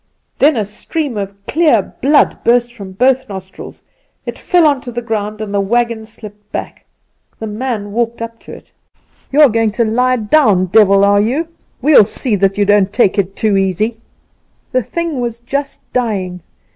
Then a stream of clear blood burst from both nostrils; it fell on to the ground, and the wagon slipped back. The man walked up to it. "'You are going to lie down, devil, are you? We'll see you don't take it too easy.' "The thing was just dying.